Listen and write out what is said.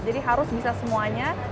jadi harus bisa semuanya